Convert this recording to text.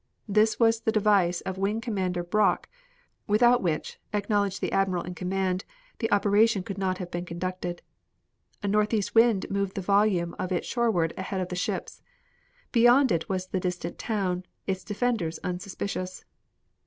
This was the device of Wing Commander Brock, without which, acknowledged the Admiral in command, the operation could not have been conducted. A northeast wind moved the volume of it shoreward ahead of the ships. Beyond it was the distant town, its defenders unsuspicious.